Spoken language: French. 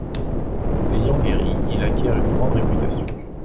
L’ayant guéri, il acquiert une grande réputation.